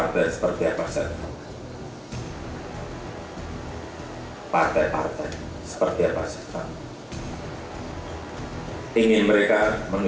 kita akan lanjutkan nanti di segmen berikutnya